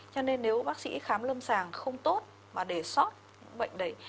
cho nên nếu bác sĩ khám lâm sàng không tốt mà để sót bệnh đẩy